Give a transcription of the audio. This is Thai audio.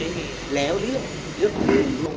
พี่อัดมาสองวันไม่มีใครรู้หรอก